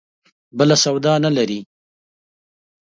بله سودا نه لري.